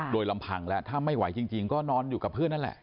โดยลำพังแล้วถ้าไม่ไหวจริงก็นอนอยู่กับเพื่อนนั่นแหละ